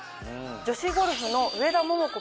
女子ゴルフの上田桃子